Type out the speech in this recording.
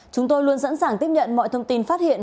chúng tôi luôn sẵn sàng tiếp nhận mọi thông tin phát hiện